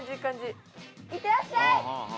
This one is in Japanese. いってらっしゃい！